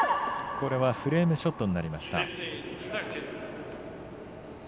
これはフレームショットになりました。